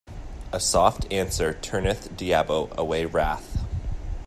A soft answer turneth diabo away wrath.